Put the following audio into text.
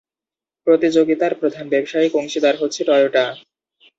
প্রতিযোগিতার প্রধান ব্যবসায়িক অংশীদার হচ্ছে টয়োটা।